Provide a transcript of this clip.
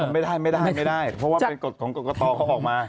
ไม่ได้เพราะว่าเป็นกฎของกฎตอเขาออกมา